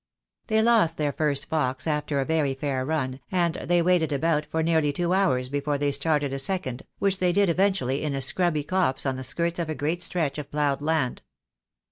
They lost their first fox, after a very fair run, and they waited about for nearly two hours before they started a second, which they did eventually in a scrubby copse on the skirts of a great stretch of ploughed land.